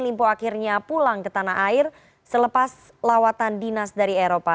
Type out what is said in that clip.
limpo akhirnya pulang ke tanah air selepas lawatan dinas dari eropa